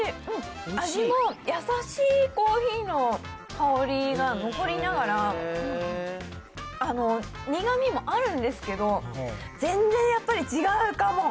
味も優しいコーヒーの香りが残りながら、苦みもあるんですけど、全然やっぱり違うかも。